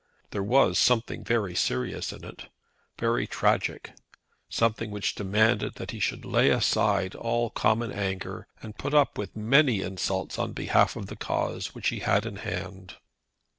There was something very serious in it, very tragic, something which demanded that he should lay aside all common anger, and put up with many insults on behalf of the cause which he had in hand.